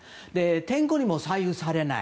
天候にも左右されない。